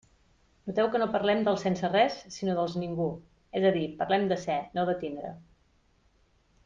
Noteu que no parlem dels «sense res», sinó dels «ningú», és a dir, parlem de ser, no de tindre.